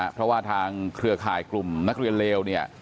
เพราะว่าทางเครือข่ายกลุ่มนักเรียนเลวเนี่ย